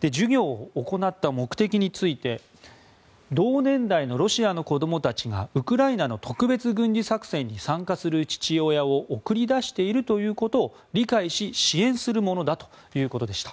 授業を行った目的について同年代のロシアの子供たちがウクライナの特別軍事作戦に参加する父親を送り出しているということを理解し支援するものだということです。